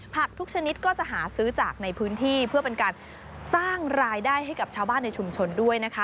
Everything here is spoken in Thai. ทุกชนิดก็จะหาซื้อจากในพื้นที่เพื่อเป็นการสร้างรายได้ให้กับชาวบ้านในชุมชนด้วยนะคะ